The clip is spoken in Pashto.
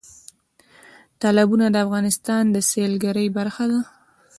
تالابونه د افغانستان د سیلګرۍ برخه ده.